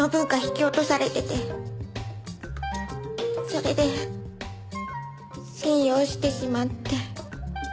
それで信用してしまって。